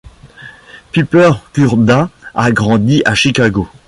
Piper Curda a grandi à Chicago.